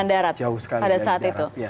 darat pada saat itu